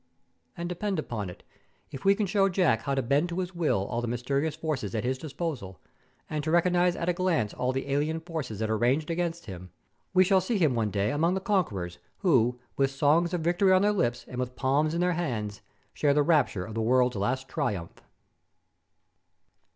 And, depend upon it, if we can show Jack how to bend to his will all the mysterious forces at his disposal, and to recognize at a glance all the alien forces that are ranged against him, we shall see him one day among the conquerors who, with songs of victory on their lips and with palms in their hands, share the rapture of the world's last triumph.